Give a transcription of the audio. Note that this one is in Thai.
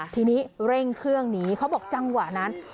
ทีนี้เร่งเครื่องหนีเขาบอกจังหวะนั้น